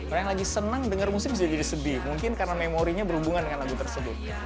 orang yang lagi senang dengar musik bisa jadi sedih mungkin karena memorinya berhubungan dengan lagu tersebut